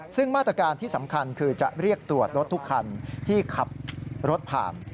ซึ่งมาตรการที่สำคัญคือจะเรียกตรวจรถทุกคันที่ขับรถผ่าน